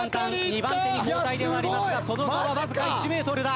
２番手に後退ではありますがその差はわずか１ｍだ。